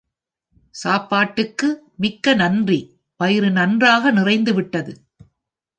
சாப்பாட்டுக்கு மிக்க நன்றி, வயிறு நன்றாக நிறைந்துவிட்டது!